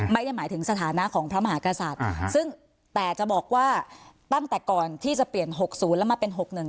ไม่ได้หมายถึงสถานะของพระมหากษัตริย์ซึ่งแต่จะบอกว่าตั้งแต่ก่อนที่จะเปลี่ยน๖๐แล้วมาเป็น๖๑